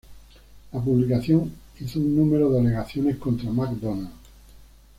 La publicación hizo un número de alegaciones contra McDonald's.